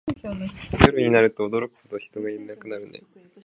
夜になると驚くほど人いなくなるね